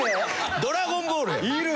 『ドラゴンボール』やん。